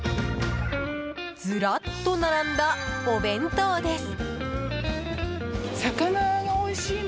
ずらっと並んだ、お弁当です。